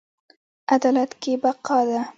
عدالت کې بقا ده